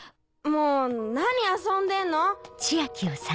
もう何遊んでんの！